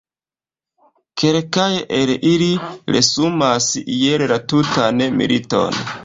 Kelkaj el ili resumas iel la tutan militon.